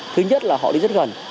thứ nhất là họ đi rất gần